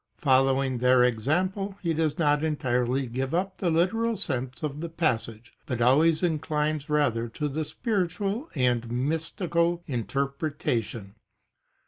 Following their example, he does not entirely give up the literal sense of the passage, but always inclines rather to the spiritual and mystical interpretation.